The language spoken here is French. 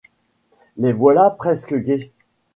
Les voilà presque gaies.